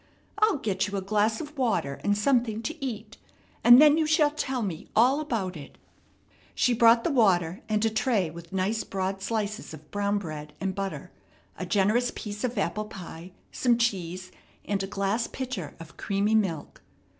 I'll get you a glass of water and something to eat, and then you shall tell me all about it." She brought the water, and a tray with nice broad slices of brown bread and butter, a generous piece of apple pie, some cheese, and a glass pitcher of creamy milk.